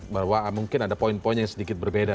bahwa mungkin ada poin poin yang sedikit berbeda